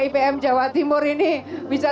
ipm jawa timur ini bisa